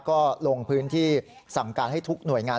ก็ลงพื้นที่สั่งการให้ทุกหน่วยงาน